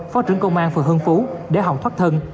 phó trưởng công an phường hương phú để hậu thoát thân